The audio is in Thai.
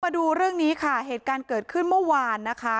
มาดูเรื่องนี้ค่ะเหตุการณ์เกิดขึ้นเมื่อวานนะคะ